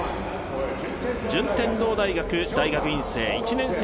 順天堂大学大学院生